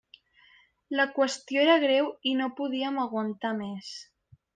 La qüestió era greu i no podíem aguantar més.